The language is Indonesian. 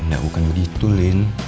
nggak bukan begitu lin